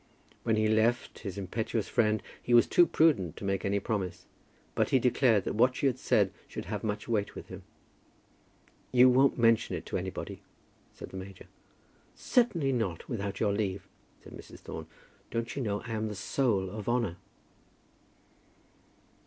When he left his impetuous friend he was too prudent to make any promise, but he declared that what she had said should have much weight with him. "You won't mention it to anybody?" said the major. "Certainly not, without your leave," said Mrs. Thorne. "Don't you know that I'm the soul of honour?"